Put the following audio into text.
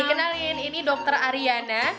kenalin ini dokter ariana